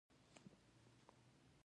په کابل کې د اسمايي غره معبد و